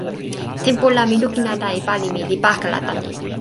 tenpo la mi lukin ala e pali mi li pakala tan ni.